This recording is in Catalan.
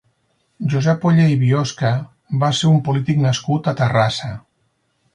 Josep Oller i Biosca va ser un polític nascut a Terrassa.